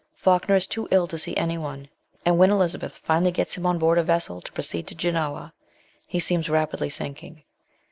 Falkner is too ill to see anyone, and when Elizabeth finally gets him on board a vessel to proceed to Genoa, he seems rapidly sinking.